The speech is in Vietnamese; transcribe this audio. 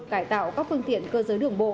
cải tạo các phương tiện cơ giới đường bộ